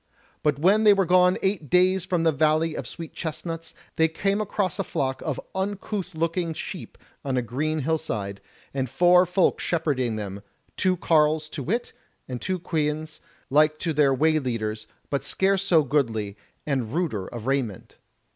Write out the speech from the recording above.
But when they were gone eight days from the Valley of Sweet chestnuts, they came across a flock of uncouth looking sheep on a green hill side, and four folk shepherding them, two carles to wit, and two queans, like to their way leaders, but scarce so goodly, and ruder of raiment.